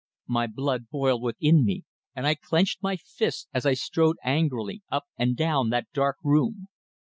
My blood boiled within me, and I clenched my fists as I strode angrily up and down that dark room.